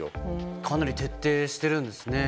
かなり徹底しているんですね。